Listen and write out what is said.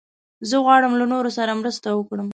زه غواړم له نورو سره مرسته وکړم.